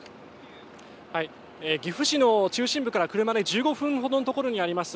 岐阜市の中心部から車で１５分ほどのところにあります